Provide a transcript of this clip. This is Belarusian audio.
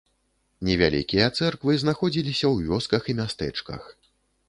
Невялікія цэрквы знаходзіліся ў вёсках і мястэчках.